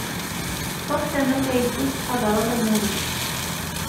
Ṭṭef tama tayfust, tḥadreḍ iman-ik.